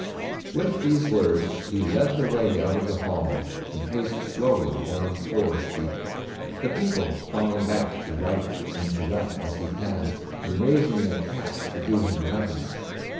With these words he led the way out of the hall and paced slowly down Fore Street, the people falling back to right and to left as he passed, and raising their caps to do him reverence.